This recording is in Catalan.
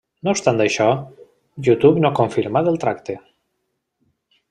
No obstant això, YouTube no ha confirmat el tracte.